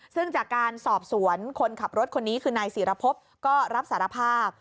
ซึ่งจากการสอบสวนคนขับรถคนนี้คือนายศิรพบก็รับสารภาพ